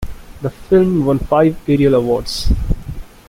The film won five Ariel Awards.